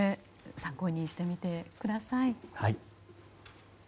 参考にしてみてください。